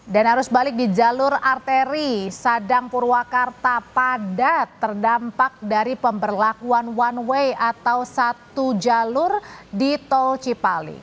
dan harus balik di jalur arteri sadang purwakarta padat terdampak dari pemberlakuan one way atau satu jalur di tol cipang